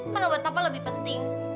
kan obat apa lebih penting